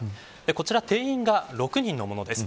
こちら定員が６人のものです。